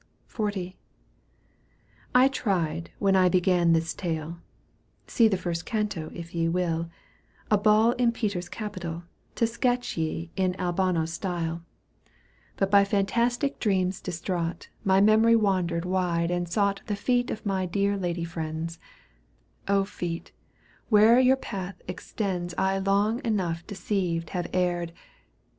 XL. I tried when I b^an this tale, (See the first canto if ye will), A ball in Peter's capital, To sketch ye in Albano's style.^ Digitized by VjOOQ 1С OANTO V. EUGENE ONilGUINK 151 But by fantastic dreams distraught, My memory wandered wide and sought The feet of my dear lady friends. feet, where'er your path extends 1 long enough deceived have erred.